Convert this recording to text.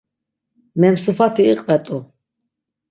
Memsufati iqvet̆u.